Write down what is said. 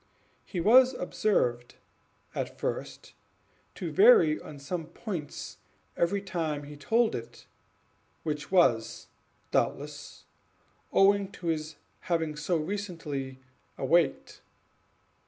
He was observed, at first, to vary on some points every time he told it, which was, doubtless, owing to his having so recently awaked.